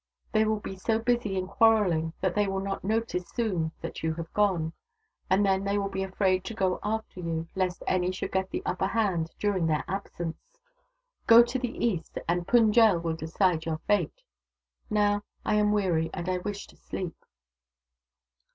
They will be so busy in quarrelling that they will not notice soon that you have gone ; and then they will be afraid to go after you, lest any should get the upper hand during their absence. Go to the east, and Pund jel will decide your fate. Now I am weary, and I wish to sleep."